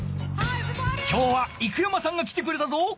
今日は生山さんが来てくれたぞ。